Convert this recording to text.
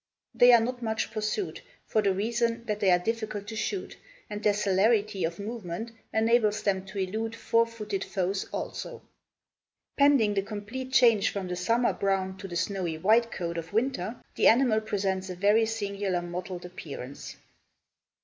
They are not much pursued for the reason that they are difficult to shoot, and their celerity of movement enables them to elude four footed foes also. Pending the complete change from the summer brown to the snowy white coat of winter, the animal presents a very singular mottled appearance.